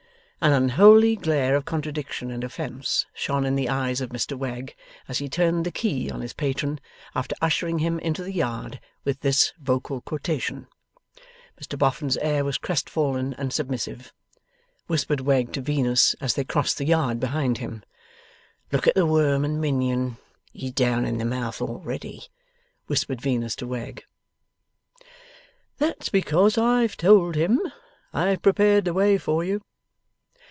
An unholy glare of contradiction and offence shone in the eyes of Mr Wegg, as he turned the key on his patron, after ushering him into the yard with this vocal quotation. Mr Boffin's air was crestfallen and submissive. Whispered Wegg to Venus, as they crossed the yard behind him: 'Look at the worm and minion; he's down in the mouth already.' Whispered Venus to Wegg: 'That's because I've told him. I've prepared the way for you.